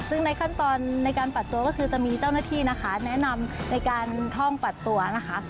ซึ่งในขั้นตอนในการปัดตัวก็คือจะมีเจ้าหน้าที่นะคะแนะนำในการท่องปัดตัวนะคะ